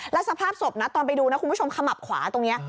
และสภาพสบตอนไปดูคุณผู้ชมขมับขวาตรงนี้